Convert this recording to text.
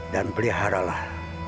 dan pelihara lah